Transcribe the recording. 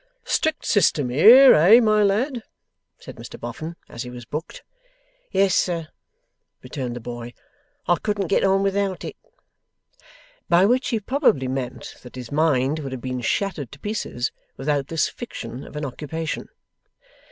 'Strict system here; eh, my lad?' said Mr Boffin, as he was booked. 'Yes, sir,' returned the boy. 'I couldn't get on without it.' By which he probably meant that his mind would have been shattered to pieces without this fiction of an occupation.